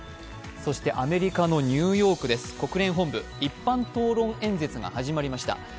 そしてアメリカのニューヨークです、国連本部、一般討論演説が始まりました。